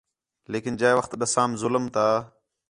لیکن جئے وخت ݙسام ظلم تا